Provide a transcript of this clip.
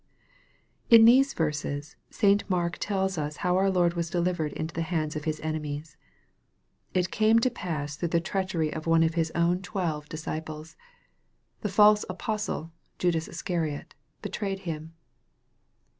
IN these verses, St. Mark tells us how our Lord was delivered into the hands of His enemies. It came to pass through the treachery of one of His own twelve 302 EXPOSITORY THOUGHTS. disciples. The false apostle, Judas Iscariot, betrayed Him.